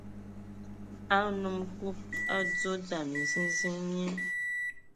A nnom Kub a adzo dzam minziziŋ mie,